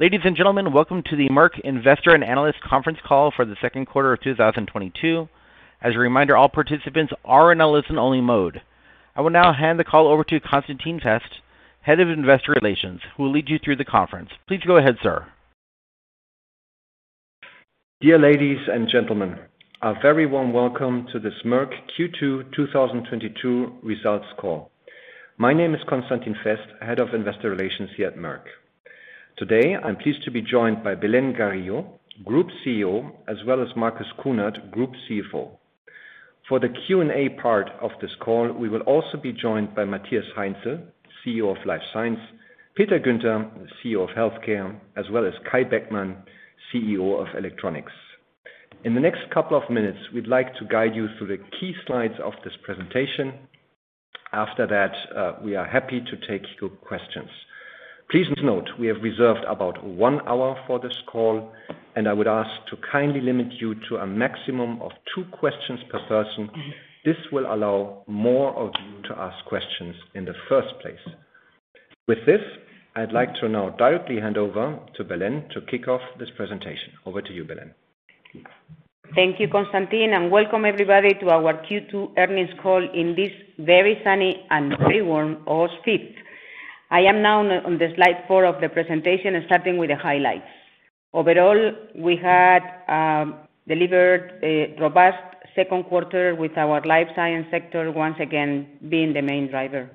Ladies and gentlemen, welcome to the Merck investor and analyst conference call for the second quarter of 2022. As a reminder, all participants are in a listen-only mode. I will now hand the call over to Constantin Fest, Head of Investor Relations, who will lead you through the conference. Please go ahead, sir. Dear ladies and gentlemen, a very warm welcome to this Merck Q2 2022 results call. My name is Constantin Fest, Head of Investor Relations here at Merck. Today, I'm pleased to be joined by Belén Garijo, Group CEO, as well as Marcus Kuhnert, Group CFO. For the Q&A part of this call, we will also be joined by Matthias Heinzel, CEO of Life Science, Peter Guenter, CEO of Healthcare, as well as Kai Beckmann, CEO of Electronics. In the next couple of minutes, we'd like to guide you through the key slides of this presentation. After that, we are happy to take your questions. Please note, we have reserved about one hour for this call, and I would ask to kindly limit you to a maximum of two questions per person. This will allow more of you to ask questions in the first place. With this, I'd like to now directly hand over to Belén to kick off this presentation. Over to you, Belén. Thank you, Constantin, and welcome everybody to our Q2 earnings call in this very sunny and very warm Darmstadt. I am now on the slide four of the presentation and starting with the highlights. Overall, we had delivered a robust second quarter with our Life Science sector once again being the main driver.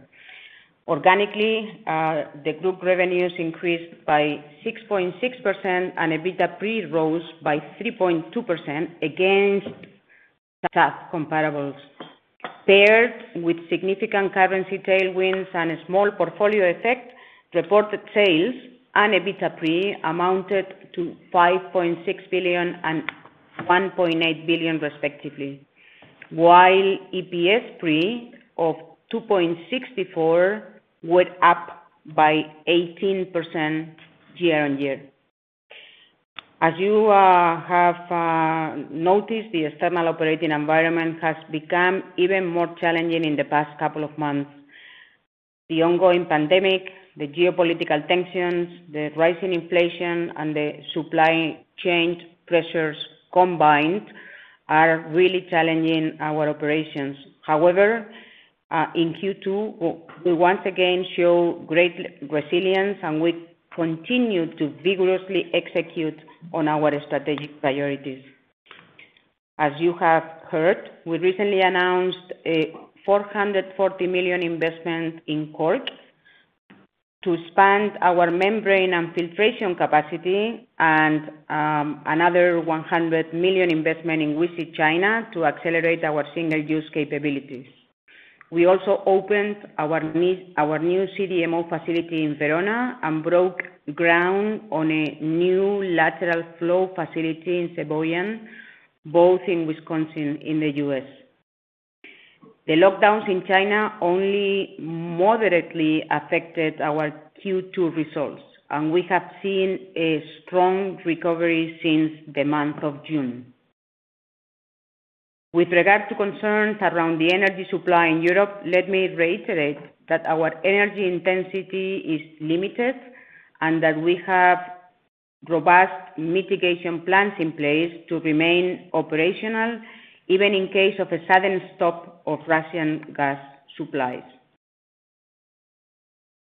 Organically, the group revenues increased by 6.6% and EBITDA pre rose by 3.2% against tough comparables. Paired with significant currency tailwinds and a small portfolio effect, reported sales and EBITDA pre amounted to 5.6 billion and 1.8 billion respectively. While EPS pre of 2.6 went up by 18% year-on-year. As you have noticed, the external operating environment has become even more challenging in the past couple of months. The ongoing pandemic, the geopolitical tensions, the rising inflation and the supply chain pressures combined are really challenging our operations. However, in Q2, we once again show great resilience, and we continue to vigorously execute on our strategic priorities. As you have heard, we recently announced a 440 million investment in Cork to expand our membrane and filtration capacity and another 100 million investment in Wuxi, China to accelerate our single-use capabilities. We also opened our new CDMO facility in Verona and broke ground on a new lateral flow facility in Sheboygan, both in Wisconsin, in the U.S. The lockdowns in China only moderately affected our Q2 results, and we have seen a strong recovery since the month of June. With regard to concerns around the energy supply in Europe, let me reiterate that our energy intensity is limited and that we have robust mitigation plans in place to remain operational, even in case of a sudden stop of Russian gas supplies.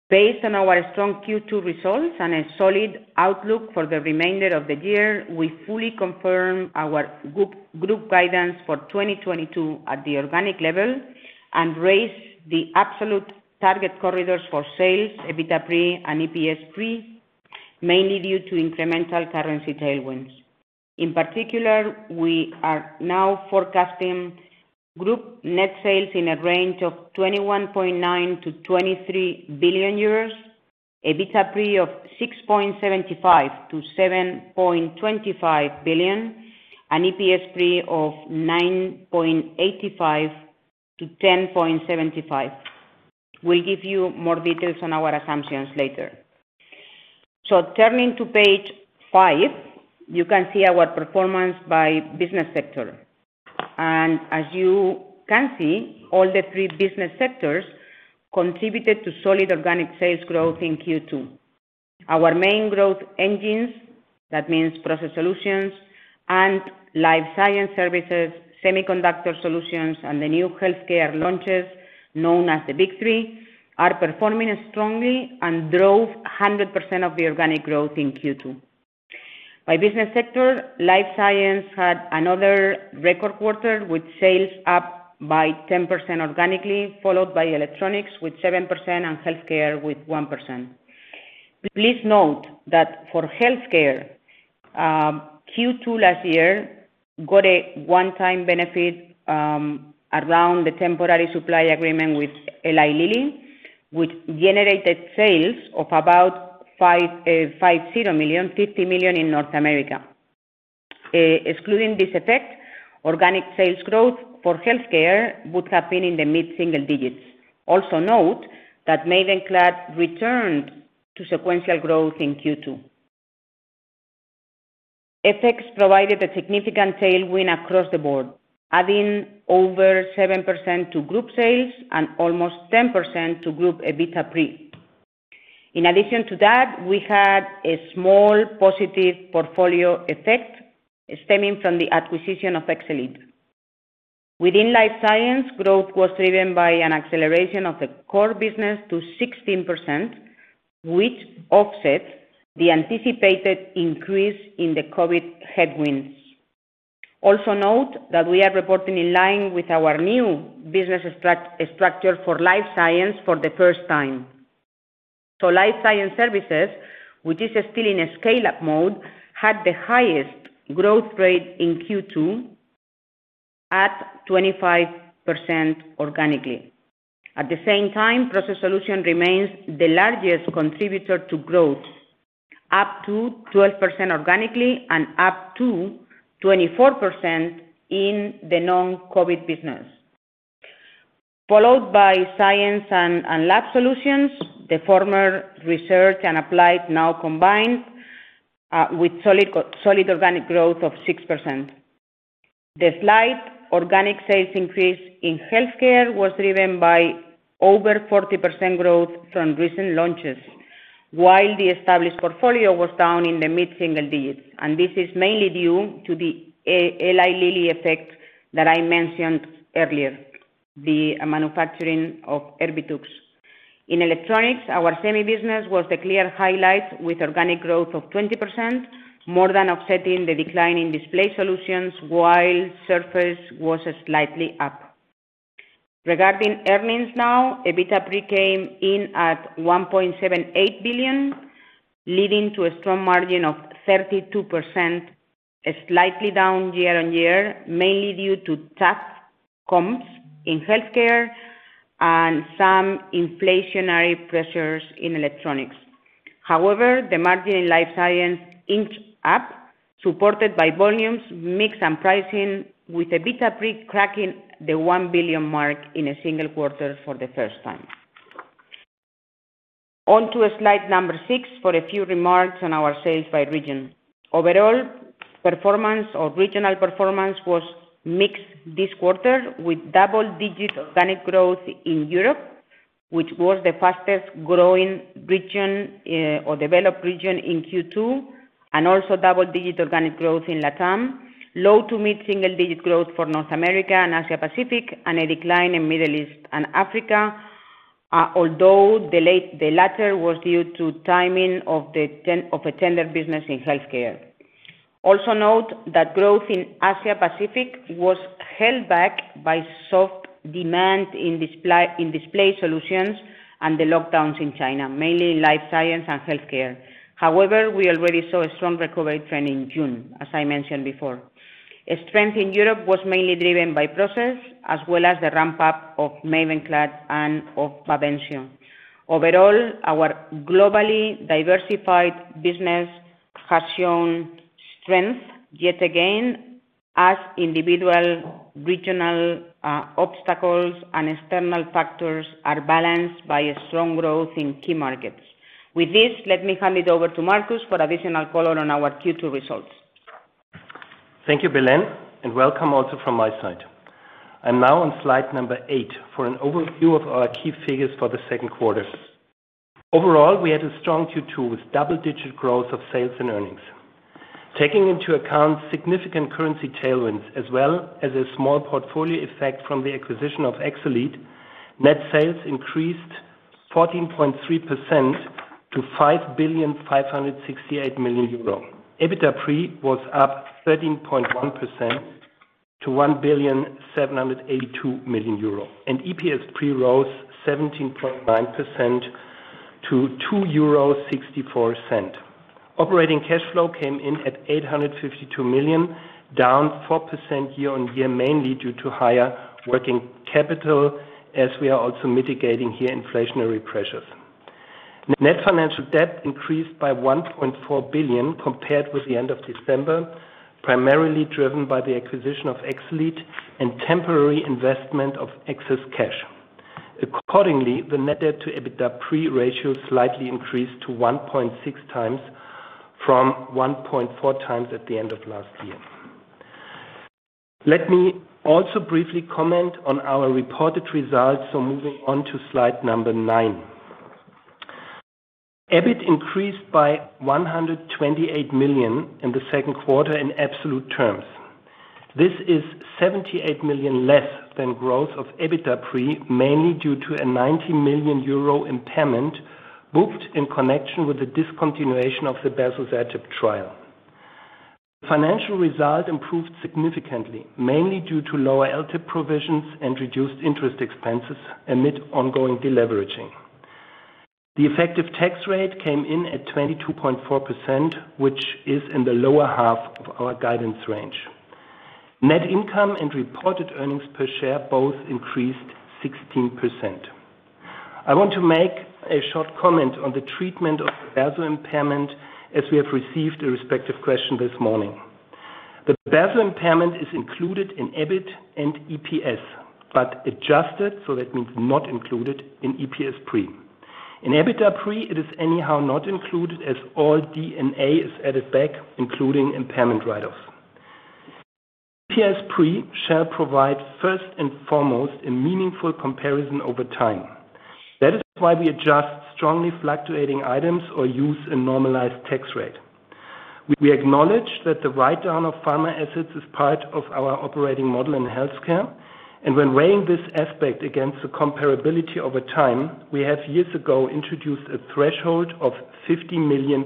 Based on our strong Q2 results and a solid outlook for the remainder of the year, we fully confirm our group guidance for 2022 at the organic level and raise the absolute target corridors for sales, EBITDA pre and EPS pre, mainly due to incremental currency tailwinds. In particular, we are now forecasting group net sales in a range of 21.9 billion-23 billion euros, EBITDA pre of 6.75 billion-7.25 billion, and EPS pre of 9.85-10.75. We'll give you more details on our assumptions later. Turning to page five, you can see our performance by business sector. As you can see, all three business sectors contributed to solid organic sales growth in Q2. Our main growth engines, that means Process Solutions and Life Science Services, Semiconductor Solutions, and the new Healthcare launches known as the "Big 3", are performing strongly and drove 100% of the organic growth in Q2. By business sector, Life Science had another record quarter with sales up by 10% organically, followed by Electronics with 7% and Healthcare with 1%. Please note that for Healthcare, Q2 last year got a one-time benefit around the temporary supply agreement with Eli Lilly, which generated sales of about €50 million in North America. Excluding this effect, organic sales growth for Healthcare would have been in the mid-single digits. Note that Mavenclad returned to sequential growth in Q2. FX provided a significant tailwind across the board, adding over 7% to group sales and almost 10% to group EBITDA pre. In addition to that, we had a small positive portfolio effect stemming from the acquisition of Exelead. Within Life Science, growth was driven by an acceleration of the core business to 16%, which offsets the anticipated increase in the COVID headwinds. Note that we are reporting in line with our new business structure for Life Science for the first time. Life Science Services, which is still in a scale-up mode, had the highest growth rate in Q2 at 25% organically. At the same time, Process Solutions remains the largest contributor to growth, up to 12% organically and up to 24% in the non-COVID business. Followed by Science & Lab Solutions, the former research and applied now combined, with solid organic growth of 6%. The slight organic sales increase in Healthcare was driven by over 40% growth from recent launches, while the established portfolio was down in the mid-single digits. This is mainly due to the Eli Lilly effect that I mentioned earlier, the manufacturing of Erbitux. In Electronics, our semi business was the clear highlight with organic growth of 20%, more than offsetting the decline in Display Solutions while Surface was slightly up. Regarding earnings now, EBITDA pre came in at 1.78 billion, leading to a strong margin of 32%, slightly down year-on-year, mainly due to tough comps in Healthcare and some inflationary pressures in Electronics. However, the margin in Life Science inched up, supported by volumes, mix, and pricing, with EBITDA pre cracking the 1 billion mark in a single quarter for the first time. On to slide six for a few remarks on our sales by region. Overall, regional performance was mixed this quarter with double-digit organic growth in Europe, which was the fastest growing region or developed region in Q2, and also double-digit organic growth in LATAM. Low- to mid-single-digit growth for North America and Asia-Pacific, and a decline in Middle East and Africa, although the latter was due to timing of a tender business in Healthcare. Also note that growth in Asia-Pacific was held back by soft demand in Display Solutions and the lockdowns in China, mainly in Life Science and Healthcare. However, we already saw a strong recovery trend in June, as I mentioned before. Strength in Europe was mainly driven by process as well as the ramp-up of Mavenclad and of Bavencio. Overall, our globally diversified business has shown strength yet again as individual regional, obstacles and external factors are balanced by a strong growth in key markets. With this, let me hand it over to Marcus for additional color on our Q2 results. Thank you, Belén, and welcome also from my side. I'm now on slide eight for an overview of our key figures for the second quarter. Overall, we had a strong Q2 with double-digit growth of sales and earnings. Taking into account significant currency tailwinds as well as a small portfolio effect from the acquisition of Exelead, net sales increased 14.3% to 5,568 million euro. EBITDA pre was up 13.1% to 1,782 million euro, and EPS pre rose 17.9% to 2.64 euro. Operating cash flow came in at 852 million, down 4% year-on-year, mainly due to higher working capital, as we are also mitigating here inflationary pressures. Net financial debt increased by 1.4 billion compared with the end of December, primarily driven by the acquisition of Exelead and temporary investment of excess cash. Accordingly, the net debt to EBITDA pre ratio slightly increased to 1.6x from 1.4x at the end of last year. Let me also briefly comment on our reported results. Moving on to slide number nine. EBIT increased by 128 million in the second quarter in absolute terms. This is 78 million less than growth of EBITDA pre, mainly due to a 90 million euro impairment booked in connection with the discontinuation of the berzosertib trial. Financial result improved significantly, mainly due to lower LTIP provisions and reduced interest expenses amid ongoing deleveraging. The effective tax rate came in at 22.4%, which is in the lower half of our guidance range. Net income and reported earnings per share both increased 16%. I want to make a short comment on the treatment of the berzosertib impairment as we have received a respective question this morning. The berzosertib impairment is included in EBIT and EPS, but adjusted, so that means not included in EPS pre. In EBITDA pre, it is anyhow not included as all D&A is added back, including impairment write-offs. EPS pre shall provide first and foremost a meaningful comparison over time. That is why we adjust strongly fluctuating items or use a normalized tax rate. We acknowledge that the write-down of pharma assets is part of our operating model in healthcare. When weighing this aspect against the comparability over time, we have years ago introduced a threshold of 50 million.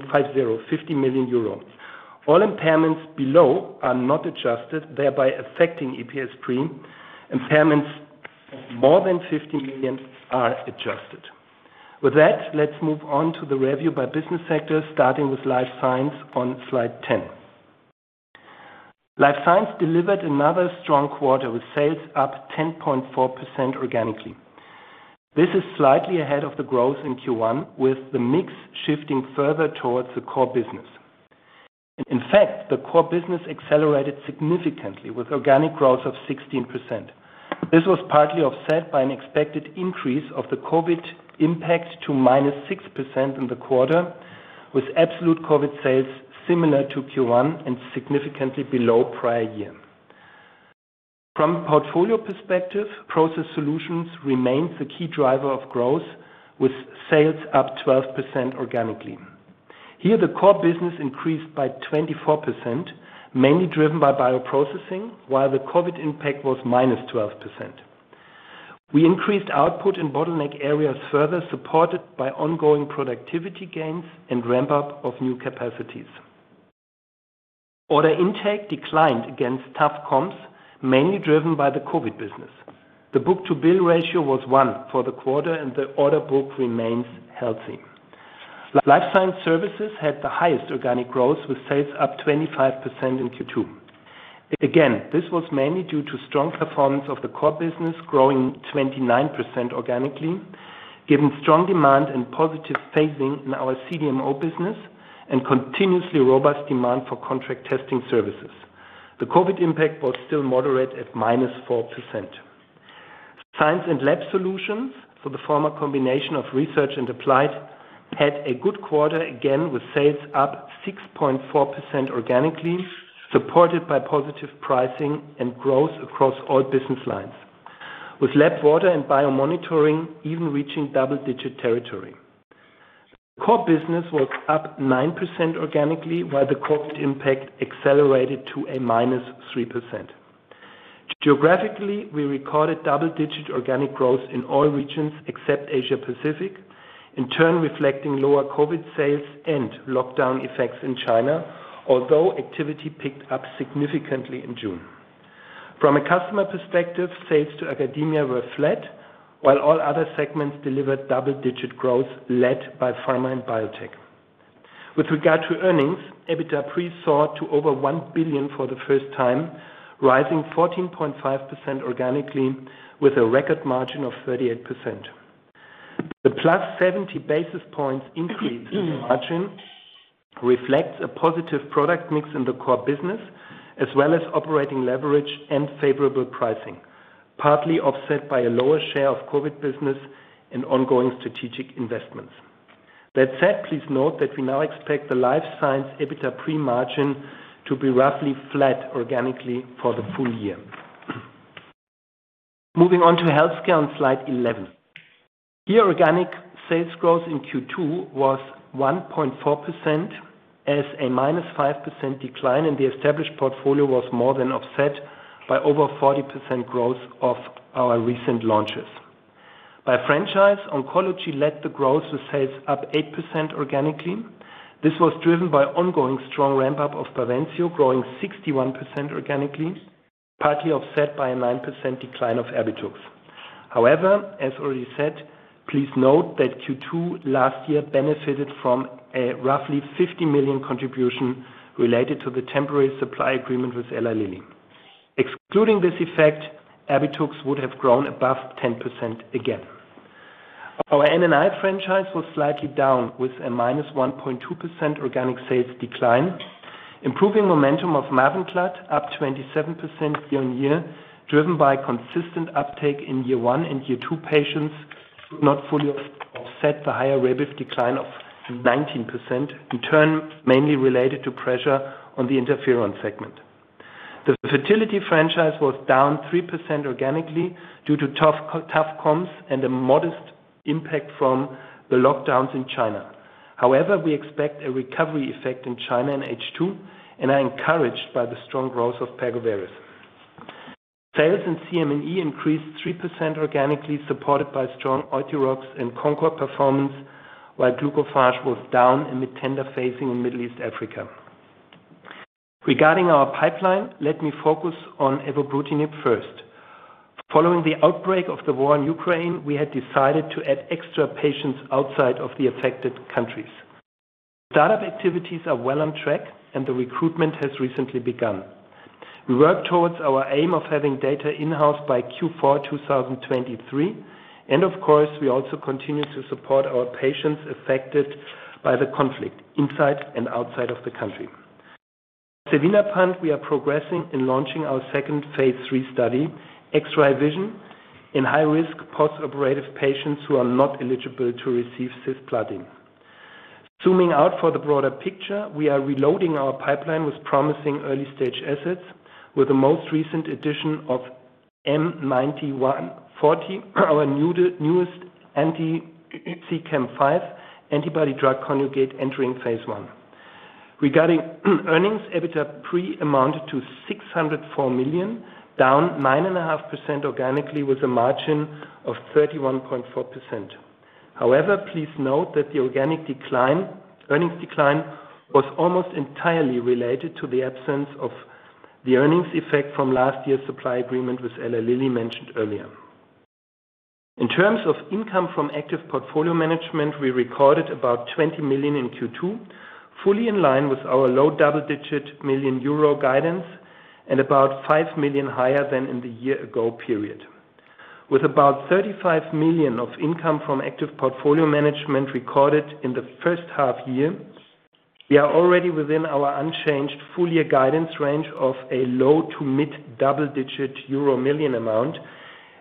All impairments below are not adjusted, thereby affecting EPS pre. Impairments more than 50 million are adjusted. With that, let's move on to the review by business sector, starting with Life Science on slide 10. Life Science delivered another strong quarter with sales up 10.4% organically. This is slightly ahead of the growth in Q1, with the mix shifting further towards the core business. In fact, the core business accelerated significantly with organic growth of 16%. This was partly offset by an expected increase of the COVID impact to -6% in the quarter, with absolute COVID sales similar to Q1 and significantly below prior year. From a portfolio perspective, Process Solutions remains the key driver of growth, with sales up 12% organically. Here, the core business increased by 24%, mainly driven by bioprocessing, while the COVID impact was -12%. We increased output in bottleneck areas further, supported by ongoing productivity gains and ramp-up of new capacities. Order intake declined against tough comps, mainly driven by the COVID business. The book-to-bill ratio was 1 for the quarter, and the order book remains healthy. Life Science Services had the highest organic growth with sales up 25% in Q2. Again, this was mainly due to strong performance of the core business growing 29% organically, given strong demand and positive phasing in our CDMO business and continuously robust demand for contract testing services. The COVID impact was still moderate at -4%. Science & Lab Solutions for the former combination of research and applied had a good quarter, again, with sales up 6.4% organically, supported by positive pricing and growth across all business lines, with Lab Water and BioMonitoring even reaching double-digit territory. The core business was up 9% organically, while the COVID impact accelerated to a -3%. Geographically, we recorded double-digit organic growth in all regions except Asia-Pacific, in turn reflecting lower COVID sales and lockdown effects in China, although activity picked up significantly in June. From a customer perspective, sales to academia were flat, while all other segments delivered double-digit growth led by pharma and biotech. With regard to earnings, EBITDA pre soared to over 1 billion for the first time, rising 14.5% organically with a record margin of 38%. The +70 basis points increase in margin reflects a positive product mix in the core business, as well as operating leverage and favorable pricing, partly offset by a lower share of COVID business and ongoing strategic investments. That said, please note that we now expect the Life Science EBITDA pre-margin to be roughly flat organically for the full year. Moving on to Healthcare on slide 11. Here, organic sales growth in Q2 was 1.4% as a -5% decline, and the established portfolio was more than offset by over 40% growth of our recent launches. By franchise, Oncology led the growth with sales up 8% organically. This was driven by ongoing strong ramp-up of Bavencio, growing 61% organically, partly offset by a 9% decline of Erbitux. However, as already said, please note that Q2 last year benefited from a roughly 50 million contribution related to the temporary supply agreement with Eli Lilly. Excluding this effect, Erbitux would have grown above 10% again. Our N&I franchise was slightly down, with a -1.2% organic sales decline. Improving momentum of Mavenclad, up 27% year-on-year, driven by consistent uptake in year one and year two patients, could not fully offset the higher Rebif decline of 19%, in turn, mainly related to pressure on the interferon segment. The Fertility franchise was down 3% organically due to tough comps and a modest impact from the lockdowns in China. However, we expect a recovery effect in China in H2 and are encouraged by the strong growth of Pergoveris. Sales in CM&E increased 3% organically, supported by strong Euthyrox and Concor performance, while Glucophage was down in the tender phasing in Middle East Africa. Regarding our pipeline, let me focus on evobrutinib first. Following the outbreak of the war in Ukraine, we had decided to add extra patients outside of the affected countries. Startup activities are well on track, and the recruitment has recently begun. We work towards our aim of having data in-house by Q4 2023. Of course, we also continue to support our patients affected by the conflict inside and outside of the country. Xevinapant, we are progressing in launching our second phase III study, XRay Vision, in high-risk postoperative patients who are not eligible to receive cisplatin. Zooming out for the broader picture, we are reloading our pipeline with promising early-stage assets, with the most recent addition of M9140, our newest anti-CEACAM5 antibody drug conjugate entering phase 1. Regarding earnings, EBITDA pre amounted to 604 million, down 9.5% organically, with a margin of 31.4%. However, please note that the organic decline, earnings decline was almost entirely related to the absence of the earnings effect from last year's supply agreement with Eli Lilly, mentioned earlier. In terms of income from active portfolio management, we recorded about 20 million in Q2, fully in line with our low double-digit million-euro guidance and about 5 million higher than in the year-ago period. With about 35 million of income from active portfolio management recorded in the first half year, we are already within our unchanged full year guidance range of a low- to mid-double-digit euro million amount,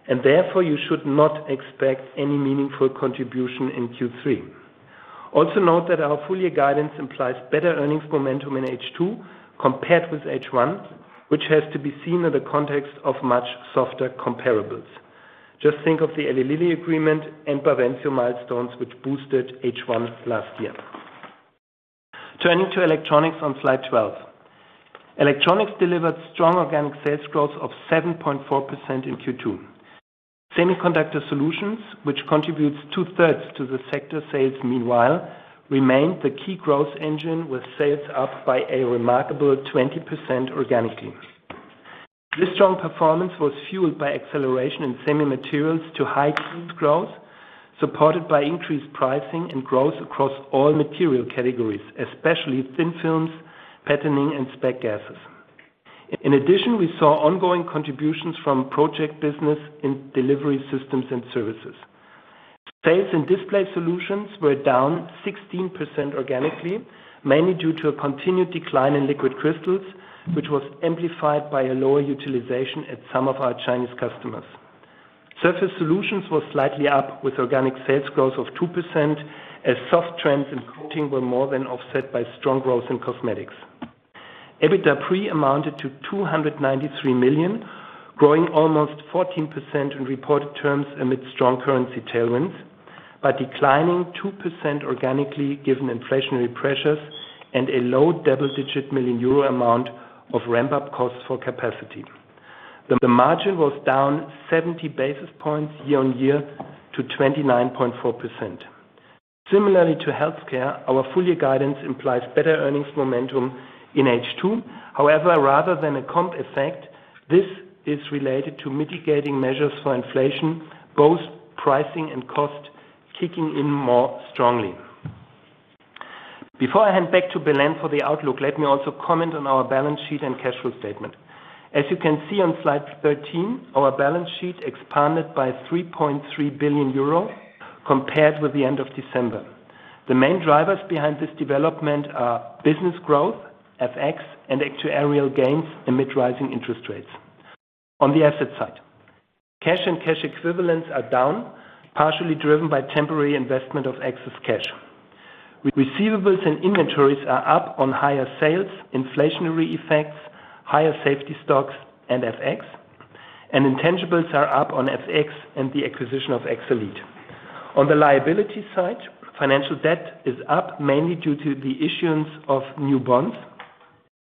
and therefore you should not expect any meaningful contribution in Q3. Also note that our full year guidance implies better earnings momentum in H2 compared with H1, which has to be seen in the context of much softer comparables. Just think of the Eli Lilly agreement and Bavencio milestones which boosted H1 last year. Turning to Electronics on slide 12. Electronics delivered strong organic sales growth of 7.4% in Q2. Semiconductor Solutions, which contributes two-thirds to the sector sales meanwhile, remained the key growth engine, with sales up by a remarkable 20% organically. This strong performance was fueled by acceleration in semi materials to high growth, supported by increased pricing and growth across all material categories, especially thin films, patterning, and specialty gases. In addition, we saw ongoing contributions from project business in Delivery Systems and Services. Sales in Display Solutions were down 16% organically, mainly due to a continued decline in liquid crystals, which was amplified by a lower utilization at some of our Chinese customers. Surface Solutions were slightly up with organic sales growth of 2% as soft trends in coating were more than offset by strong growth in cosmetics. EBITDA pre amounted to 293 million, growing almost 14% in reported terms amid strong currency tailwinds, but declining 2% organically given inflationary pressures and a low double-digit million-euro amount of ramp up costs for capacity. The margin was down 70 basis points year-on-year to 29.4%. Similarly to Healthcare, our full year guidance implies better earnings momentum in H2. However, rather than a comp effect, this is related to mitigating measures for inflation, both pricing and cost kicking in more strongly. Before I hand back to Belén for the outlook, let me also comment on our balance sheet and cash flow statement. As you can see on slide 13, our balance sheet expanded by 3.3 billion euro compared with the end of December. The main drivers behind this development are business growth, FX and actuarial gains amid rising interest rates. On the asset side, cash and cash equivalents are down, partially driven by temporary investment of excess cash. Receivables and inventories are up on higher sales, inflationary effects, higher safety stocks and FX and intangibles are up on FX and the acquisition of Exelead. On the liability side, financial debt is up mainly due to the issuance of new bonds.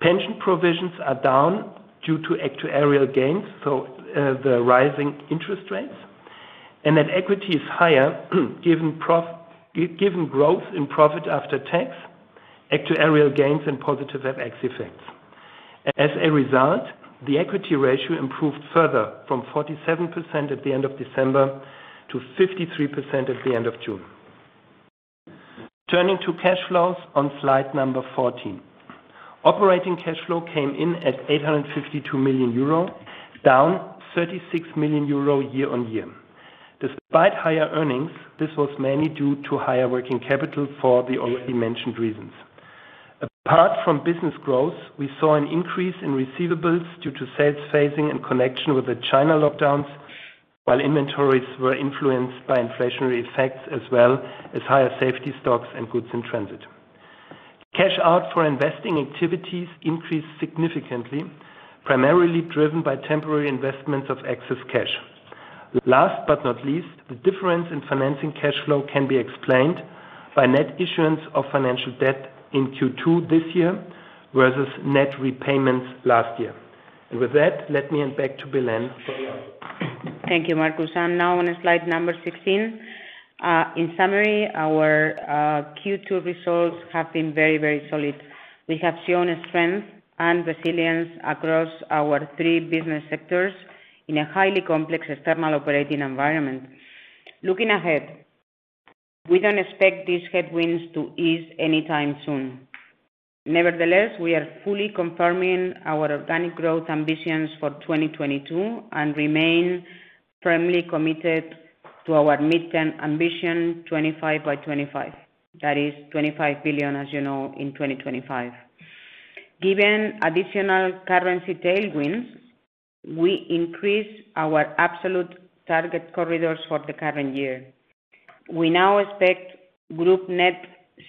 Pension provisions are down due to actuarial gains, so the rising interest rates and that equity is higher given growth in profit after tax, actuarial gains and positive FX effects. As a result, the equity ratio improved further from 47% at the end of December to 53% at the end of June. Turning to cash flows on slide 14. Operating cash flow came in at 852 million euro, down 36 million euro year-on-year. Despite higher earnings, this was mainly due to higher working capital for the already mentioned reasons. Apart from business growth, we saw an increase in receivables due to sales phasing in connection with the China lockdowns, while inventories were influenced by inflationary effects as well as higher safety stocks and goods in transit. Cash out for investing activities increased significantly, primarily driven by temporary investments of excess cash. Last but not least, the difference in financing cash flow can be explained by net issuance of financial debt in Q2 this year, versus net repayments last year. With that, let me hand back to Belén for the outlook. Thank you, Marcus. Now on slide number 16. In summary, our Q2 results have been very, very solid. We have shown a strength and resilience across our three business sectors in a highly complex external operating environment. Looking ahead, we don't expect these headwinds to ease anytime soon. Nevertheless, we are fully confirming our organic growth ambitions for 2022 and remain firmly committed to our midterm ambition 25 by 25. That is 25 billion, as you know, in 2025. Given additional currency tailwinds, we increase our absolute target corridors for the current year. We now expect group net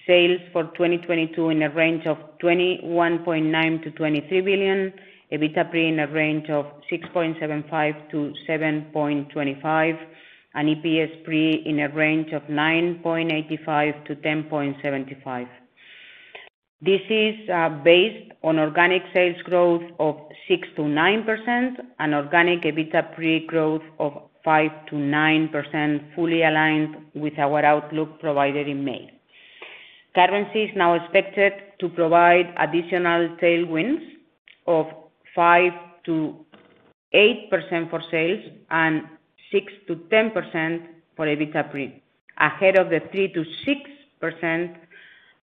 sales for 2022 in a range of 21.9-23 billion, EBITDA pre in a range of 6.75-7.25, and EPS pre in a range of 9.85-10.75. This is based on organic sales growth of 6%-9% and organic EBITDA pre growth of 5%-9%, fully aligned with our outlook provided in May. Currency is now expected to provide additional tailwinds of 5%-8% for sales and 6%-10% for EBITDA pre, ahead of the 3%-6%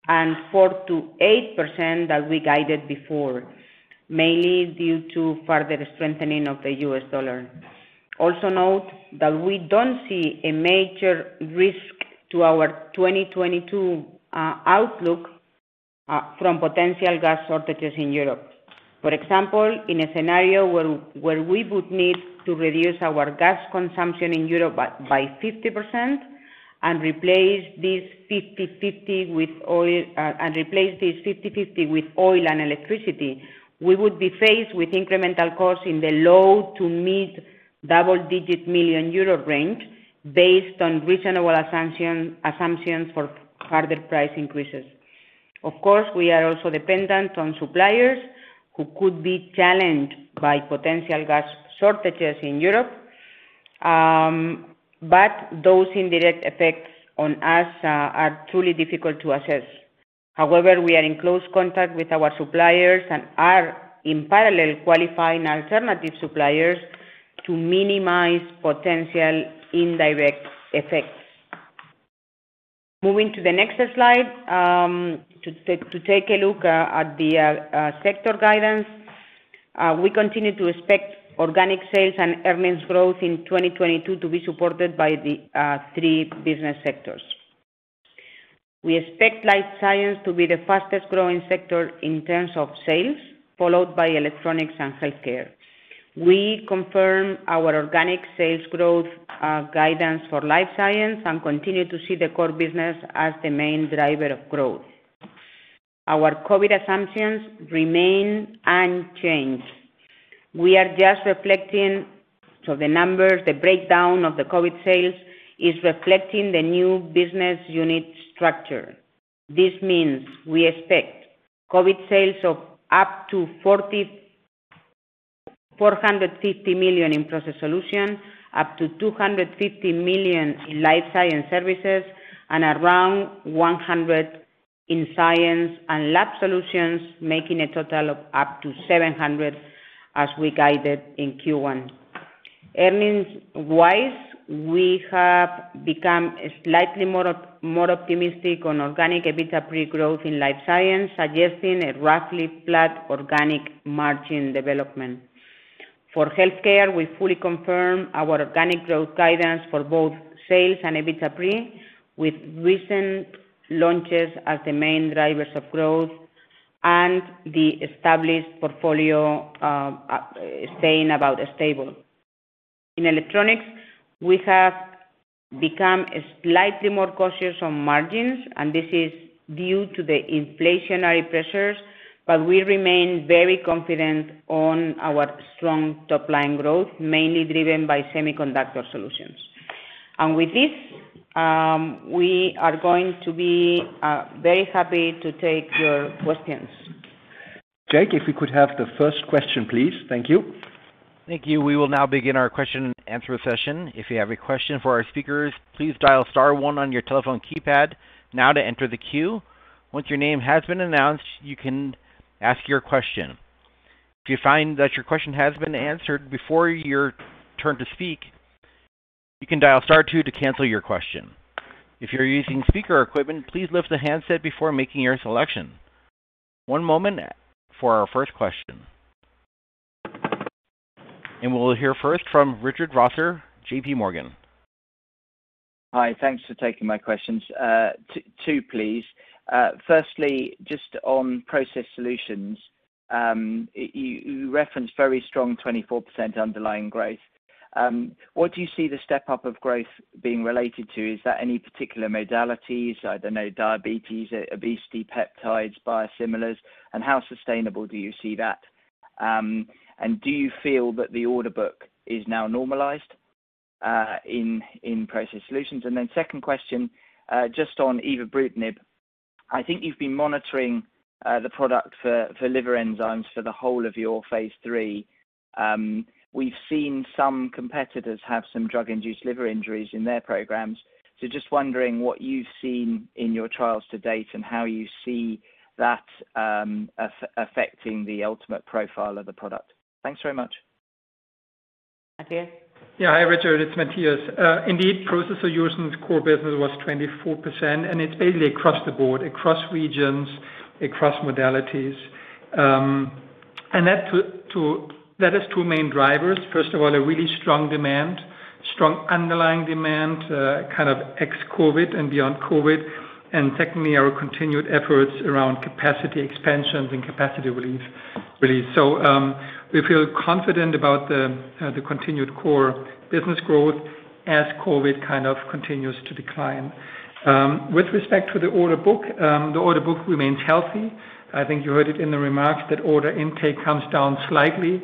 and 4%-8% that we guided before, mainly due to further strengthening of the US dollar. Also note that we don't see a major risk to our 2022 outlook from potential gas shortages in Europe. For example, in a scenario where we would need to reduce our gas consumption in Europe by 50% and replace this 50/50 with oil. If we replace this 50/50 with oil and electricity, we would be faced with incremental costs in the low- to mid-double-digit million-euro range based on reasonable assumptions for further price increases. Of course, we are also dependent on suppliers who could be challenged by potential gas shortages in Europe, but those indirect effects on us are truly difficult to assess. However, we are in close contact with our suppliers and are in parallel qualifying alternative suppliers to minimize potential indirect effects. Moving to the next slide, to take a look at the sector guidance. We continue to expect organic sales and earnings growth in 2022 to be supported by the three business sectors. We expect Life Science to be the fastest growing sector in terms of sales, followed by Electronics and Healthcare. We confirm our organic sales growth guidance for Life Science and continue to see the core business as the main driver of growth. Our COVID assumptions remain unchanged. We are just reflecting, so the numbers, the breakdown of the COVID sales is reflecting the new business unit structure. This means we expect COVID sales of up to 450 million in Process Solutions, up to 250 million in Life Science Services, and around 100 million in Science & Lab Solutions, making a total of up to 700 million as we guided in Q1. Earnings-wise, we have become slightly more optimistic on organic EBITDA pre-growth in Life Science, suggesting a roughly flat organic margin development. For Healthcare, we fully confirm our organic growth guidance for both sales and EBITDA pre, with recent launches as the main drivers of growth and the established portfolio staying about stable. In Electronics, we have become slightly more cautious on margins, and this is due to the inflationary pressures, but we remain very confident on our strong top-line growth, mainly driven by Semiconductor Solutions. With this, we are going to be very happy to take your questions. Jake, if we could have the first question, please. Thank you. Thank you. We will now begin our question-and-answer session. If you have a question for our speakers, please dial star one on your telephone keypad now to enter the queue. Once your name has been announced, you can ask your question. If you find that your question has been answered before your turn to speak, you can dial star two to cancel your question. If you're using speaker equipment, please lift the handset before making your selection. One moment for our first question. We'll hear first from Richard Vosser, JPMorgan. Hi. Thanks for taking my questions. Two, please. Firstly, just on Process Solutions, you referenced very strong 24% underlying growth. What do you see the step-up of growth being related to? Is that any particular modalities, I don't know, diabetes, obesity, peptides, biosimilars? And how sustainable do you see that? And do you feel that the order book is now normalized in Process Solutions? And then second question, just on evobrutinib. I think you've been monitoring the product for liver enzymes for the whole of your phase three. We've seen some competitors have some drug-induced liver injuries in their programs. So just wondering what you've seen in your trials to date and how you see that affecting the ultimate profile of the product. Thanks very much. Hi, Richard. It's Matthias. Indeed, process utilization in the core business was 24%, and it's basically across the board, across regions, across modalities. And that is two main drivers. First of all, a really strong demand, strong underlying demand, kind of ex-COVID and beyond COVID. And secondly, our continued efforts around capacity expansions and capacity relief, really. We feel confident about the continued core business growth as COVID continues to decline. With respect to the order book, the order book remains healthy. I think you heard it in the remarks that order intake comes down slightly,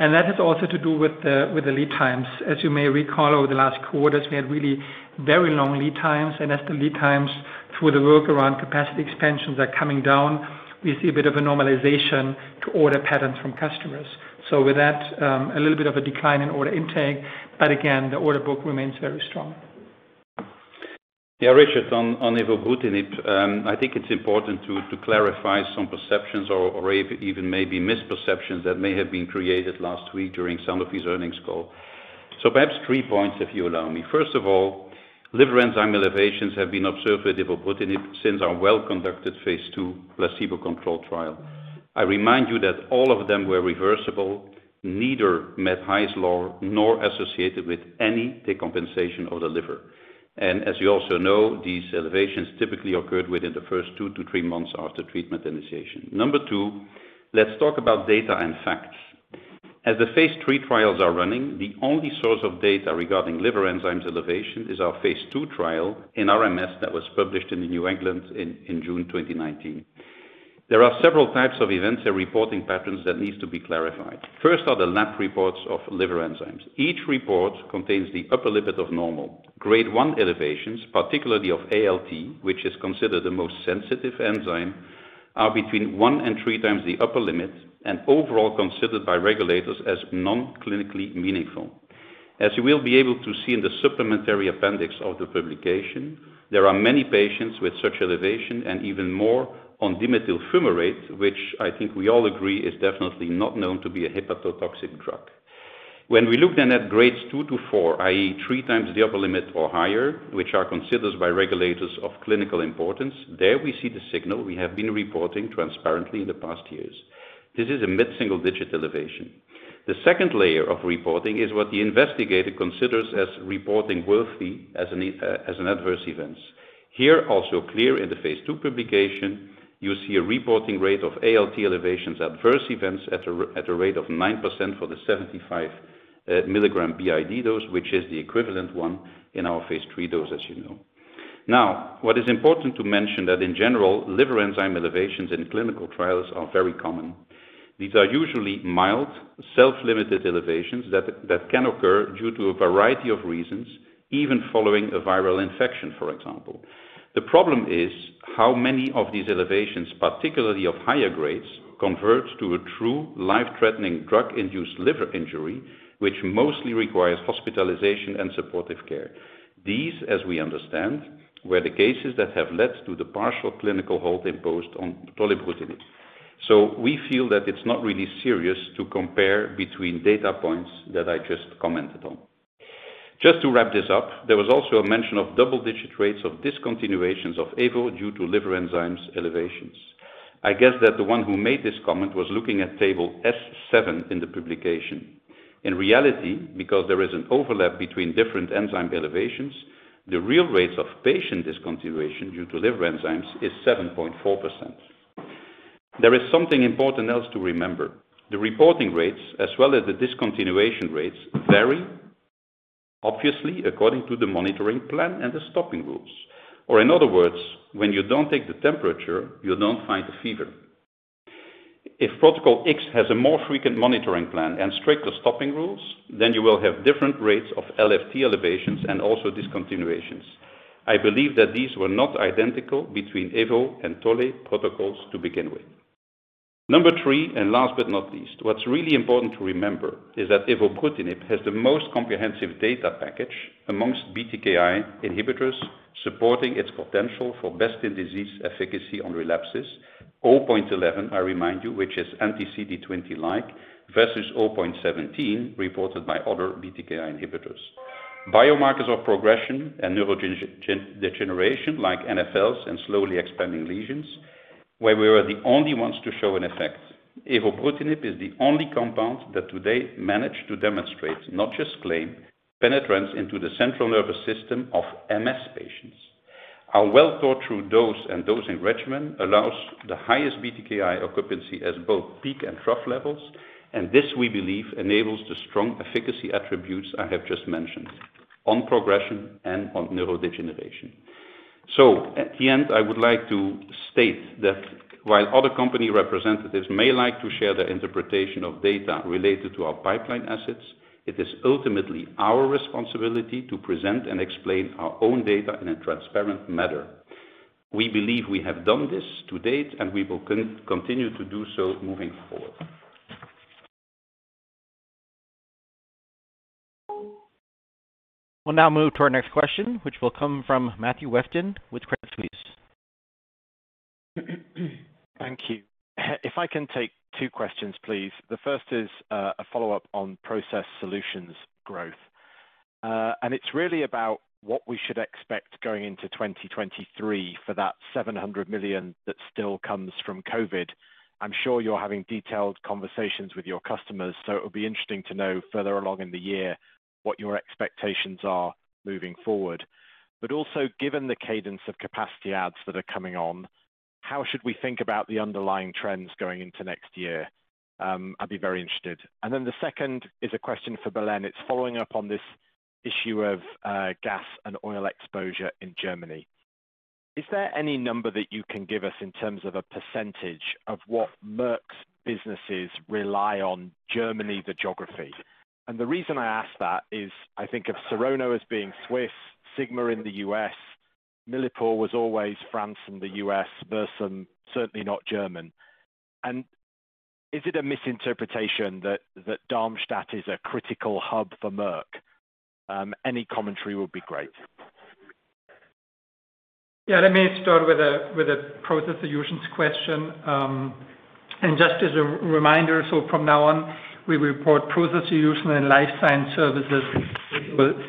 and that has also to do with the lead times. As you may recall, over the last quarters, we had really very long lead times, and as the lead times through the work around capacity expansions are coming down, we see a bit of a normalization to order patterns from customers. With that, a little bit of a decline in order intake, but again, the order book remains very strong. Yeah, Richard, on evobrutinib, I think it's important to clarify some perceptions or even maybe misperceptions that may have been created last week during some of these earnings call. Perhaps three points, if you allow me. First of all, liver enzyme elevations have been observed with evobrutinib since our well-conducted phase II placebo-controlled trial. I remind you that all of them were reversible, neither met Hy's Law nor associated with any decompensation of the liver. As you also know, these elevations typically occurred within the first two to three months after treatment initiation. Number two, let's talk about data and facts. As the phase III trials are running, the only source of data regarding liver enzymes elevation is our phase II trial in RMS that was published in the New England Journal of Medicine in June 2019. There are several types of events and reporting patterns that needs to be clarified. First are the lab reports of liver enzymes. Each report contains the upper limit of normal. Grade 1 elevations, particularly of ALT, which is considered the most sensitive enzyme, are between 1x-3x times the upper limit, and overall considered by regulators as non-clinically meaningful. As you will be able to see in the supplementary appendix of the publication, there are many patients with such elevation and even more on dimethyl fumarate, which I think we all agree is definitely not known to be a hepatotoxic drug. When we looked then at grades 2 to 4, i.e., 3x the upper limit or higher, which are considered by regulators of clinical importance, there we see the signal we have been reporting transparently in the past years. This is a mid-single-digit elevation. The second layer of reporting is what the investigator considers as reporting worthy as an adverse event. Here, also clear in the phase II publication, you see a reporting rate of ALT elevations adverse events at a rate of 9% for the 75 mg BID dose, which is the equivalent one in our phase III dose, as you know. Now, what is important to mention that in general, liver enzyme elevations in clinical trials are very common. These are usually mild, self-limited elevations that can occur due to a variety of reasons, even following a viral infection, for example. The problem is how many of these elevations, particularly of higher grades, convert to a true life-threatening drug-induced liver injury, which mostly requires hospitalization and supportive care. These, as we understand, were the cases that have led to the partial clinical hold imposed on tolebrutinib. We feel that it's not really serious to compare between data points that I just commented on. Just to wrap this up, there was also a mention of double-digit rates of discontinuations of evo due to liver enzymes elevations. I guess that the one who made this comment was looking at table S7 in the publication. In reality, because there is an overlap between different enzyme elevations, the real rates of patient discontinuation due to liver enzymes is 7.4%. There is something important else to remember. The reporting rates as well as the discontinuation rates vary obviously according to the monitoring plan and the stopping rules. In other words, when you don't take the temperature, you don't find a fever. If protocol X has a more frequent monitoring plan and stricter stopping rules, then you will have different rates of LFT elevations and also discontinuations. I believe that these were not identical between evo and tole protocols to begin with. Number three, and last but not least, what's really important to remember is that evobrutinib has the most comprehensive data package among BTKI inhibitors supporting its potential for best-in-disease efficacy on relapses. 0.11, I remind you, which is anti-CD20-like versus 0.17 reported by other BTKI inhibitors. Biomarkers of progression and neurodegeneration like NFLs and slowly expanding lesions, where we were the only ones to show an effect. Evobrutinib is the only compound that today managed to demonstrate, not just claim, penetrance into the central nervous system of MS patients. Our well-thought-through dose and dosing regimen allows the highest BTKI occupancy at both peak and trough levels, and this, we believe, enables the strong efficacy attributes I have just mentioned on progression and on neurodegeneration. At the end, I would like to state that while other company representatives may like to share their interpretation of data related to our pipeline assets, it is ultimately our responsibility to present and explain our own data in a transparent manner. We believe we have done this to date, and we will continue to do so moving forward. We'll now move to our next question, which will come from Matthew Weston with Credit Suisse. Thank you. If I can take two questions, please. The first is a follow-up on Process Solutions growth. It's really about what we should expect going into 2023 for that 700 million that still comes from COVID. I'm sure you're having detailed conversations with your customers, so it'll be interesting to know further along in the year what your expectations are moving forward. But also, given the cadence of capacity adds that are coming on, how should we think about the underlying trends going into next year? I'd be very interested. Then the second is a question for Belén. It's following up on this issue of gas and oil exposure in Germany. Is there any number that you can give us in terms of a percentage of what Merck's businesses rely on Germany, the geography? The reason I ask that is I think of Serono as being Swiss, Sigma in the U.S., Millipore was always France and the U.S., Versum, certainly not German. Is it a misinterpretation that Darmstadt is a critical hub for Merck? Any commentary would be great. Yeah, let me start with a Process Solutions question. Just as a reminder, from now on, we report Process Solutions and Life Science Services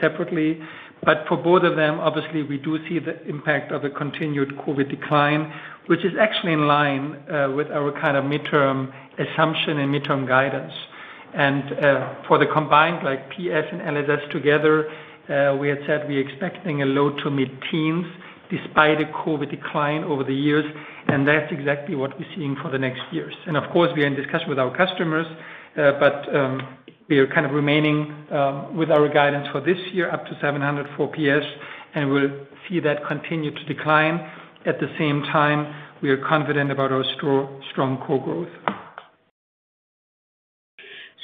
separately. For both of them, obviously, we do see the impact of a continued COVID decline, which is actually in line with our kind of midterm assumption and midterm guidance. For the combined, like PS and LSS together, we had said we're expecting low- to mid-teens% despite a COVID decline over the years, and that's exactly what we're seeing for the next years. Of course, we are in discussion with our customers, but we are kind of remaining with our guidance for this year up to 700 for PS, and we'll see that continue to decline. At the same time, we are confident about our strong core growth.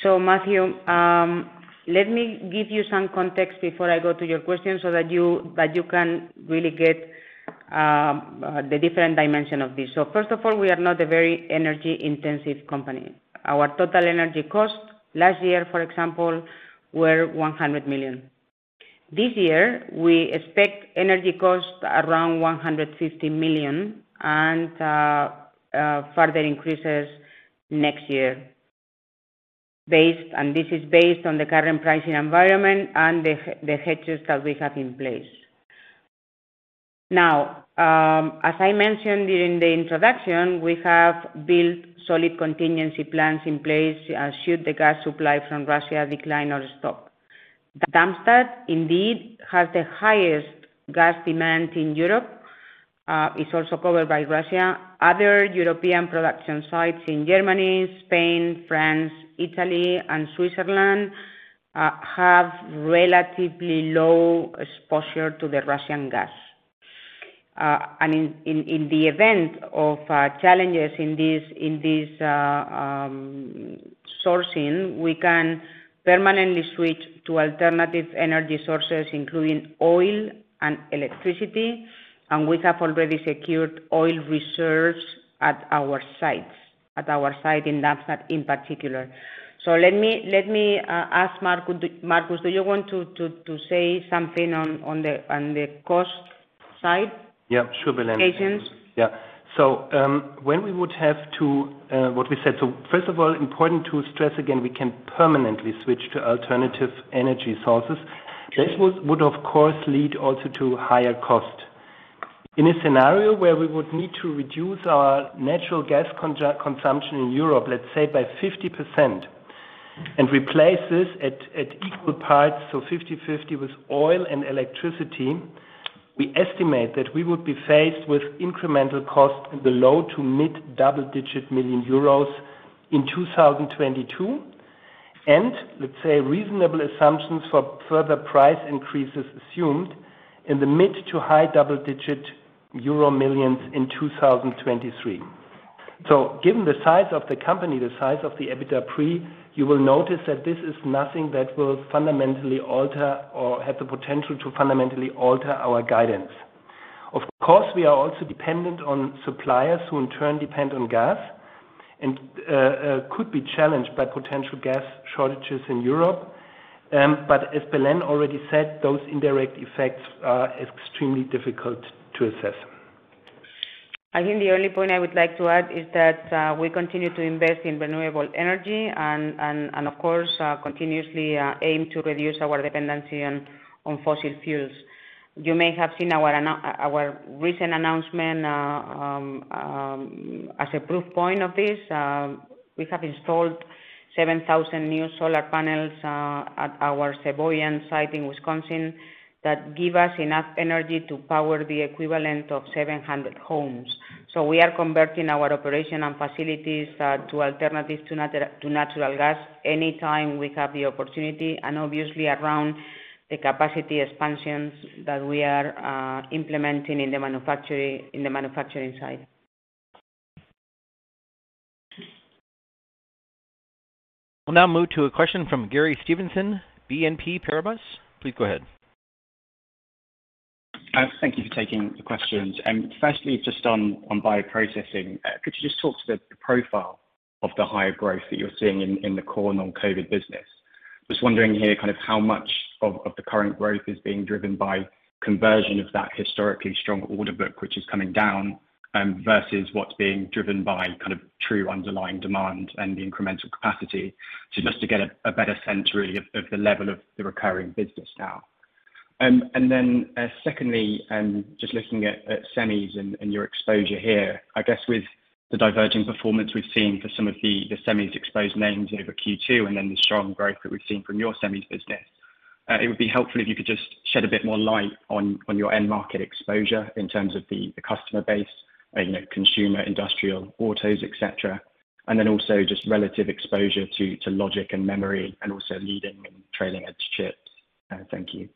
Matthew, let me give you some context before I go to your question so that you can really get the different dimension of this. First of all, we are not a very energy-intensive company. Our total energy cost last year, for example, were 100 million. This year, we expect energy costs around 150 million and further increases next year, and this is based on the current pricing environment and the hedges that we have in place. Now, as I mentioned during the introduction, we have built solid contingency plans in place should the gas supply from Russia decline or stop. Darmstadt, indeed, has the highest gas demand in Europe. It's also covered by Russia. Other European production sites in Germany, Spain, France, Italy, and Switzerland have relatively low exposure to the Russian gas. In the event of challenges in this sourcing, we can permanently switch to alternative energy sources, including oil and electricity, and we have already secured oil reserves at our sites, at our site in Darmstadt in particular. Let me ask Marcus. Marcus, do you want to say something on the cost side? Yeah, sure, Belén. Agencies. Yeah. When we would have to what we said. First of all, important to stress again, we can permanently switch to alternative energy sources. This would, of course, lead also to higher cost. In a scenario where we would need to reduce our natural gas consumption in Europe, let's say, by 50% and replace this at equal parts, so 50/50 with oil and electricity, we estimate that we would be faced with incremental cost in the low- to mid-double-digit million euros in 2022. Let's say reasonable assumptions for further price increases assumed in the mid- to high double-digit million euros in 2023. Given the size of the company, the size of the EBITDA pre, you will notice that this is nothing that will fundamentally alter or have the potential to fundamentally alter our guidance. Of course, we are also dependent on suppliers who in turn depend on gas and could be challenged by potential gas shortages in Europe. As Belén already said, those indirect effects are extremely difficult to assess. I think the only point I would like to add is that we continue to invest in renewable energy and of course continuously aim to reduce our dependency on fossil fuels. You may have seen our recent announcement as a proof point of this. We have installed 7,000 new solar panels at our Sheboygan site in Wisconsin that give us enough energy to power the equivalent of 700 homes. We are converting our operation and facilities to alternatives to natural gas anytime we have the opportunity, and obviously around the capacity expansions that we are implementing in the manufacturing side. We'll now move to a question from Gary Steventon, BNP Paribas. Please go ahead. Thank you for taking the questions. Firstly, just on bioprocessing, could you just talk to the profile of the higher growth that you're seeing in the core non-COVID business? Just wondering here kind of how much of the current growth is being driven by conversion of that historically strong order book, which is coming down, versus what's being driven by kind of true underlying demand and the incremental capacity, so just to get a better sense really of the level of the recurring business now. Secondly, just looking at semis and your exposure here. I guess with the diverging performance we've seen for some of the semis exposed names over Q2 and then the strong growth that we've seen from your semis business, it would be helpful if you could just shed a bit more light on your end market exposure in terms of the customer base, you know, consumer, industrial, autos, et cetera. Also just relative exposure to logic and memory and also leading and trailing edge chips. Thank you.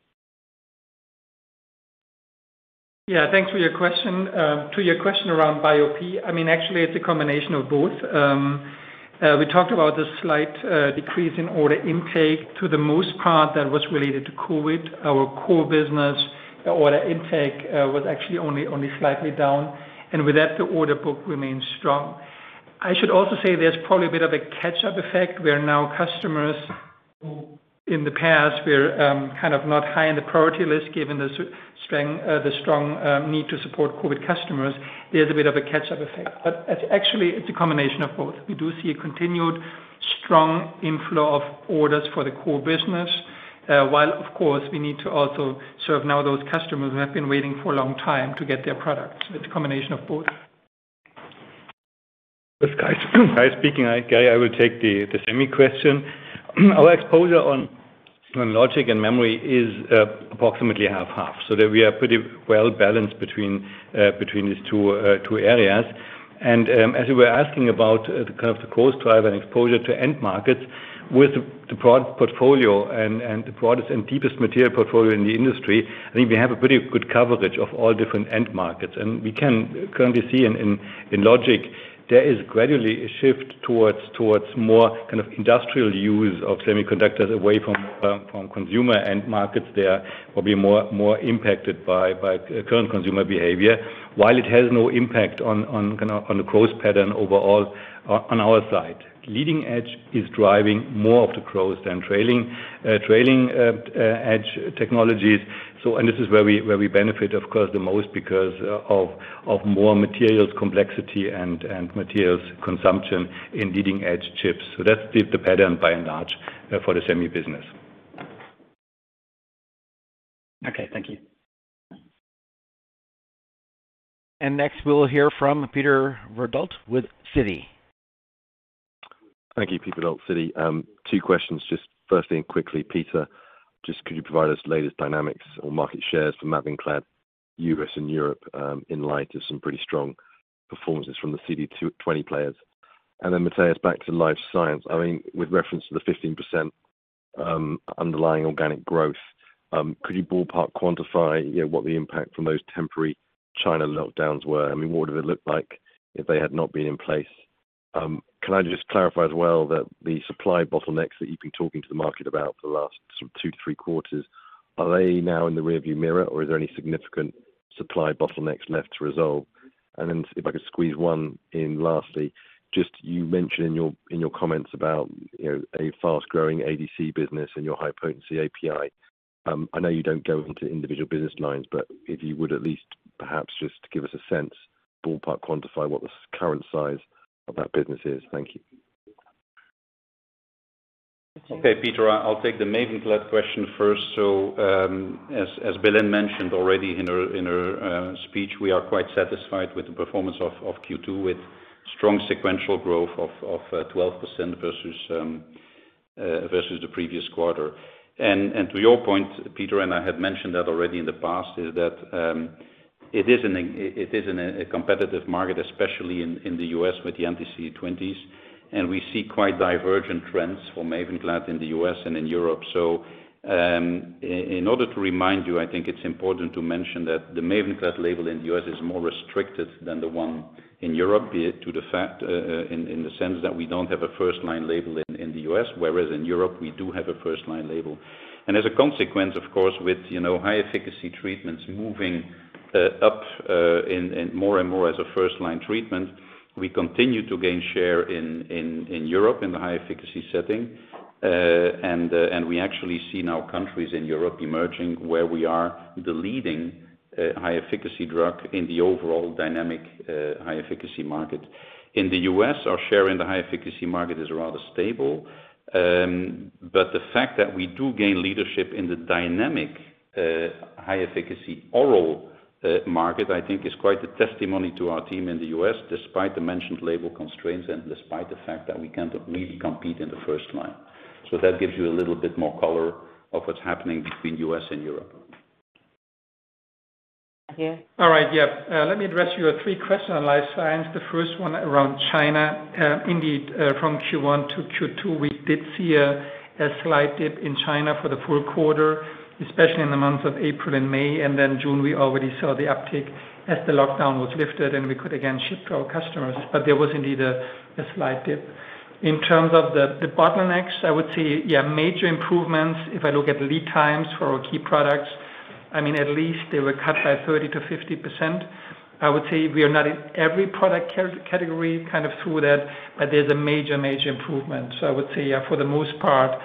Yeah. Thanks for your question. To your question around Bioprocessing, I mean, actually, it's a combination of both. We talked about the slight decrease in order intake. For the most part, that was related to COVID. Our core business order intake was actually only slightly down, and with that, the order book remains strong. I should also say there's probably a bit of a catch-up effect where now customers who in the past were kind of not high on the priority list given the strength, the strong need to support COVID customers. There's a bit of a catch-up effect. It's actually a combination of both. We do see a continued strong inflow of orders for the core business, while of course we need to also serve now those customers who have been waiting for a long time to get their products. It's a combination of both. This is Kai. Kai speaking. Gary, I will take the semi question. Our exposure on logic and memory is approximately 50/50, so that we are pretty well balanced between these two areas. As you were asking about the kind of the growth driver and exposure to end markets, with the product portfolio and the broadest and deepest material portfolio in the industry, I think we have a pretty good coverage of all different end markets. We can currently see in logic there is gradually a shift towards more kind of industrial use of semiconductors away from consumer end markets there. Will be more impacted by current consumer behavior, while it has no impact on kind of on the growth pattern overall on our side. Leading edge is driving more of the growth than trailing edge technologies. This is where we benefit, of course, the most because of more materials complexity and materials consumption in leading-edge chips. That's the pattern by and large for the semi business. Okay. Thank you. Next, we'll hear from Peter Verdult with Citi. Thank you. Peter Verdult, Citi. Two questions. Just firstly and quickly, Peter, just could you provide us latest dynamics or market shares for Mavenclad, U.S. and Europe, in light of some pretty strong performances from the CD20 players? Then Matthias, back to Life Science. I mean, with reference to the 15%, underlying organic growth, could you ballpark quantify, you know, what the impact from those temporary China lockdowns were? I mean, what would it look like if they had not been in place? Can I just clarify as well that the supply bottlenecks that you've been talking to the market about for the last sort of two to three quarters, are they now in the rearview mirror, or is there any significant supply bottlenecks left to resolve? If I could squeeze one in lastly, just you mentioned in your comments about, you know, a fast-growing ADC business and your high-potency API. I know you don't go into individual business lines, but if you would at least perhaps just give us a sense, ballpark quantify what the current size of that business is. Thank you. Okay, Peter, I'll take the Mavenclad question first. As Belén mentioned already in her speech, we are quite satisfied with the performance of Q2 with strong sequential growth of 12% versus the previous quarter. To your point, Peter, and I had mentioned that already in the past, is that it is in a competitive market, especially in the U.S. with the anti-CD20s. We see quite divergent trends for Mavenclad in the U.S. and in Europe. In order to remind you, I think it's important to mention that the Mavenclad label in the U.S. is more restricted than the one in Europe due to the fact in the sense that we don't have a first-line label in the U.S., whereas in Europe, we do have a first-line label. As a consequence, of course, with you know, high-efficacy treatments moving up in more and more as a first-line treatment, we continue to gain share in Europe in the high-efficacy setting. We actually see now countries in Europe emerging where we are the leading high-efficacy drug in the overall dynamic high-efficacy market. In the U.S., our share in the high-efficacy market is rather stable. The fact that we do gain leadership in the dynamic, high-efficacy oral, market, I think is quite a testimony to our team in the U.S., despite the mentioned label constraints and despite the fact that we can't really compete in the first line. That gives you a little bit more color of what's happening between U.S. and Europe. Yeah. All right. Yeah. Let me address your three questions on Life Science. The first one around China. Indeed, from Q1 to Q2, we did see a slight dip in China for the full quarter, especially in the months of April and May. Then June, we already saw the uptick as the lockdown was lifted, and we could again ship to our customers. There was indeed a slight dip. In terms of the bottlenecks, I would say, yeah, major improvements, if I look at lead times for our key products. I mean, at least they were cut by 30%-50%. I would say we are not in every product category kind of through that, but there's a major improvement. I would say, yeah, for the most part,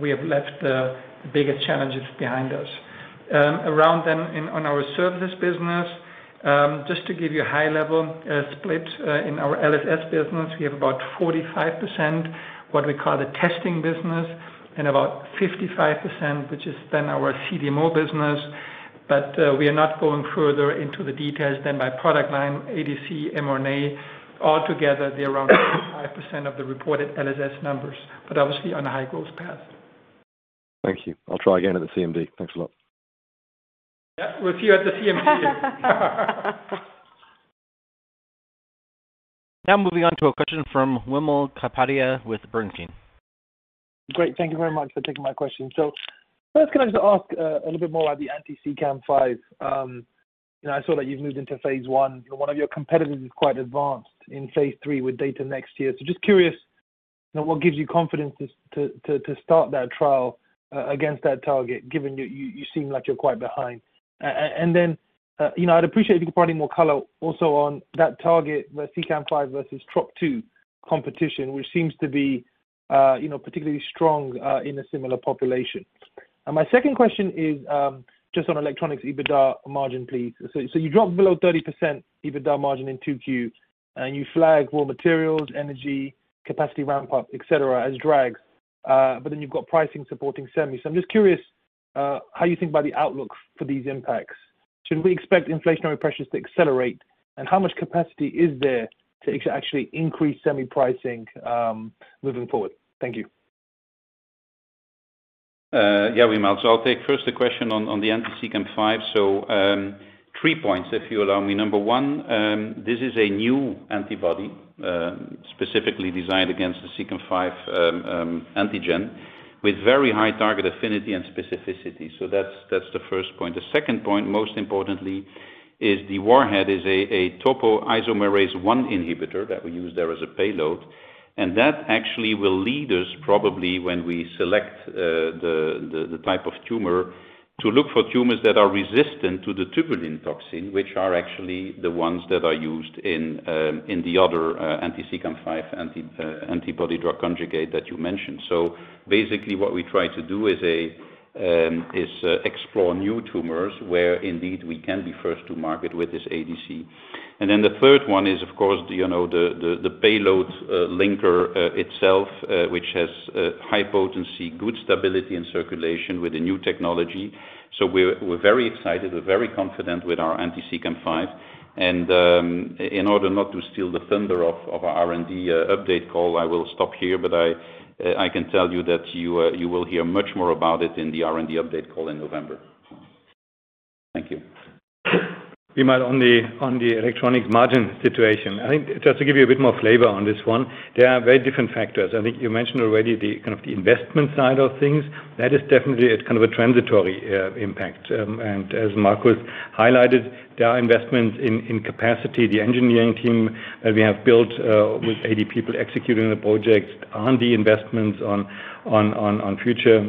we have left the biggest challenges behind us. On our services business, just to give you a high-level split, in our LSS business, we have about 45%, what we call the testing business, and about 55%, which is then our CDMO business. We are not going further into the details than by product line, ADC, mRNA. All together, they're around 5% of the reported LSS numbers, but obviously on a high growth path. Thank you. I'll try again at the CMD. Thanks a lot. Yeah. We'll see you at the CMD. Now moving on to a question from Wimal Kapadia with Bernstein. Great. Thank you very much for taking my question. First can I just ask a little bit more about the anti-CEACAM5. You know I saw that you've moved into phase I, and one of your competitors is quite advanced in phase III with data next year. Just curious, you know, what gives you confidence to start that trial against that target, given you seem like you're quite behind. Then, you know, I'd appreciate if you could provide any more color also on that target, the CEACAM5 versus TROP-2 competition, which seems to be, you know, particularly strong in a similar population. My second question is just on Electronics EBITDA margin, please. You dropped below 30% EBITDA margin in 2Q, and you flagged raw materials, energy, capacity ramp up, et cetera, as drags. You've got pricing supporting semi. I'm just curious, how you think about the outlook for these impacts. Should we expect inflationary pressures to accelerate, and how much capacity is there to actually increase semi pricing, moving forward? Thank you. Yeah, Wimal. I'll take first the question on the anti-CEACAM5. Three points, if you allow me. Number one, this is a new antibody, specifically designed against the CEACAM5 antigen with very high target affinity and specificity. That's the first point. The second point, most importantly, is the warhead a topoisomerase I inhibitor that we use there as a payload. That actually will lead us probably when we select the type of tumor to look for tumors that are resistant to the tubulin inhibitor, which are actually the ones that are used in the other anti-CEACAM5 antibody-drug conjugate that you mentioned. Basically, what we try to do is explore new tumors where indeed we can be first to market with this ADC. Then the third one is of course, you know, the payload, linker itself, which has high potency, good stability and circulation with a new technology. We're very excited. We're very confident with our anti-CEACAM5. In order not to steal the thunder of our R&D update call, I will stop here. I can tell you that you will hear much more about it in the R&D update call in November. Thank you. Wimal, on the electronics margin situation, I think just to give you a bit more flavor on this one, there are very different factors. I think you mentioned already kind of the investment side of things. That is definitely a kind of transitory impact. As Marcus highlighted, there are investments in capacity. The engineering team that we have built with 80 people executing the projects, R&D investments on future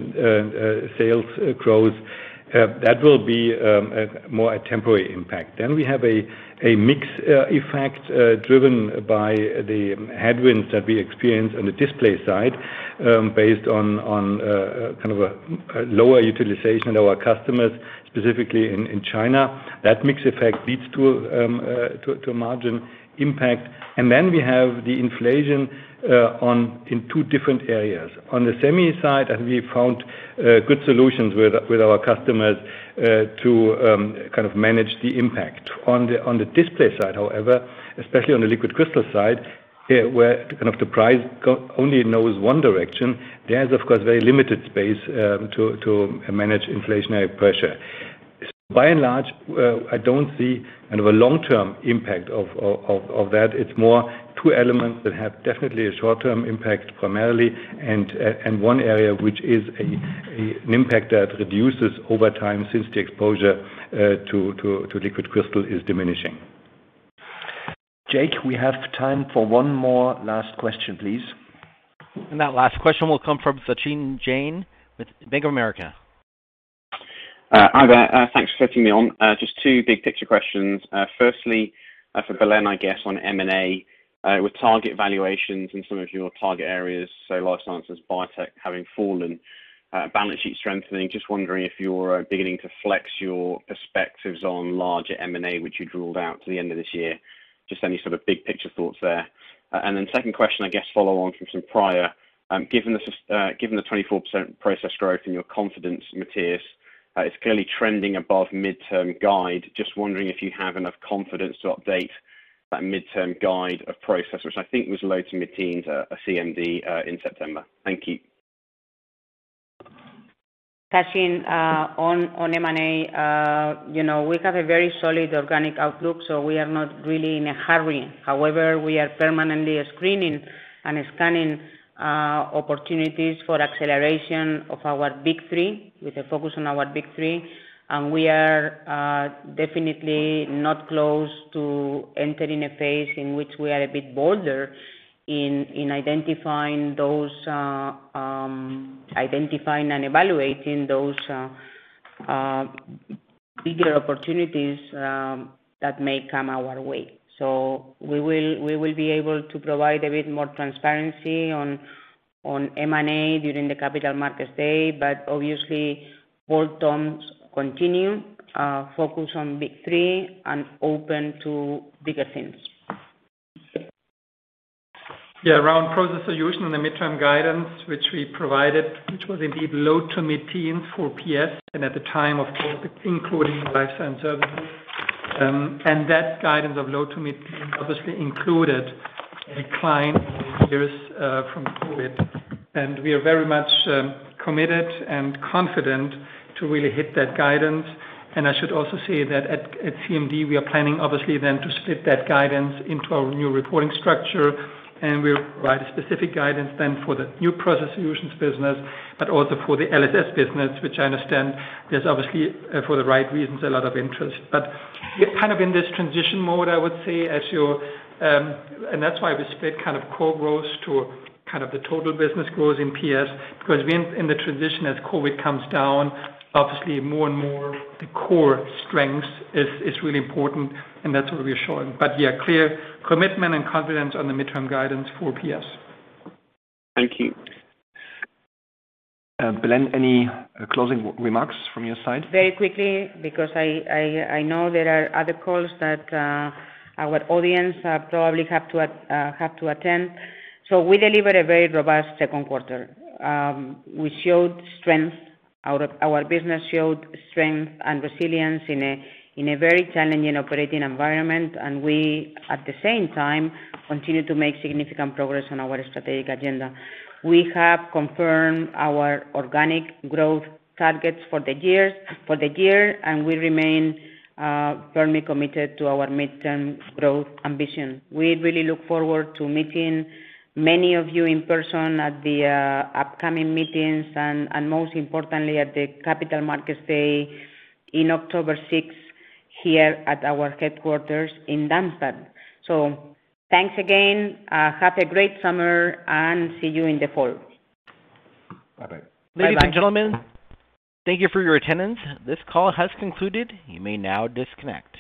sales growth that will be more a temporary impact. We have a mix effect driven by the headwinds that we experience on the display side, based on kind of a lower utilization of our customers, specifically in China. That mix effect leads to margin impact. We have the inflation in two different areas. On the semi side, we found good solutions with our customers to kind of manage the impact. On the display side, however, especially on the liquid crystal side, where kind of the price only knows one direction, there is of course very limited space to manage inflationary pressure. By and large, I don't see kind of a long-term impact of that. It's more two elements that have definitely a short-term impact primarily, and one area which is an impact that reduces over time since the exposure to liquid crystal is diminishing. Jake, we have time for one more last question, please. That last question will come from Sachin Jain with Bank of America. Hi there. Thanks for letting me on. Just two big picture questions. Firstly, for Belén, I guess, on M&A, with target valuations in some of your target areas, so life sciences, biotech having fallen, balance sheet strengthening, just wondering if you're beginning to flex your perspectives on larger M&A, which you drew out to the end of this year. Just any sort of big picture thoughts there. Second question, I guess, follow on from some prior. Given the 24% process growth and your confidence, Matthias, it's clearly trending above midterm guide. Just wondering if you have enough confidence to update that midterm guide of process, which I think was low- to mid-teens at CMD in September. Thank you. Sachin Jain, on M&A, you know, we have a very solid organic outlook, so we are not really in a hurry. However, we are permanently screening and scanning opportunities for acceleration of our Big 3, with a focus on our Big 3. We are definitely not close to entering a phase in which we are a bit bolder in identifying those bigger opportunities that may come our way. We will be able to provide a bit more transparency on M&A during the Capital Markets Day, but obviously both terms continue to focus on Big 3 and open to bigger things. Yeah. Around Process Solutions in the midterm guidance which we provided, which was indeed low- to mid-teens% for PS, and at the time, of course, including Life Science. That guidance of low- to mid-teens% obviously included a decline from COVID. We are very much committed and confident to really hit that guidance. I should also say that at CMD, we are planning obviously then to split that guidance into our new reporting structure, and we'll provide specific guidance then for the new Process Solutions business, but also for the LSS business, which I understand there's obviously, for the right reasons, a lot of interest. We're kind of in this transition mode, I would say. That's why we split kind of core growth to kind of the total business growth in PS. Because we're in the transition as COVID comes down, obviously more and more the core strength is really important, and that's what we are showing. Yeah, clear commitment and confidence on the midterm guidance for PS. Thank you. Belén, any closing remarks from your side? Very quickly, because I know there are other calls that our audience probably have to attend. We delivered a very robust second quarter. We showed strength. Our business showed strength and resilience in a very challenging operating environment, and we at the same time continue to make significant progress on our strategic agenda. We have confirmed our organic growth targets for the year, and we remain firmly committed to our midterm growth ambition. We really look forward to meeting many of you in person at the upcoming meetings and most importantly, at the Capital Markets Day in October 6 here at our headquarters in Darmstadt. Thanks again, have a great summer, and see you in the fall. Bye-bye. Bye-bye. Ladies and gentlemen, thank you for your attendance. This call has concluded. You may now disconnect.